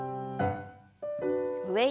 上に。